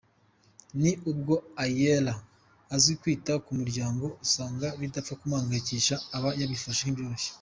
Ni ubwo Aella azi kwita ku muryango usanga bidapfa kumuhangayikisha , aba yabifashe nk’ibyoroshye.